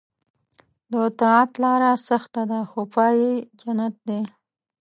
د طاعت لاره سخته ده خو پای یې جنت دی.